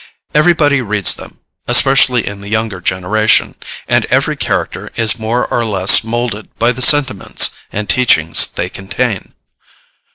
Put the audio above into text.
Everybody reads them, especially in the younger generation, and every character is more or less moulded by the sentiments and teachings they contain.